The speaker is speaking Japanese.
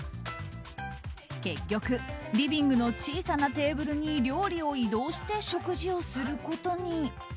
結局、リビングの小さなテーブルに料理を移動して食事をすることに。